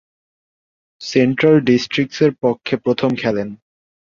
Central ডিস্ট্রিক্টসের পক্ষে প্রথম খেলেন।